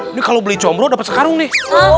ini kalo beli comro dapet sekarung nih